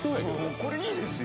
「これいいですよ」